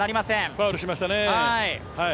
ファウルしましたね。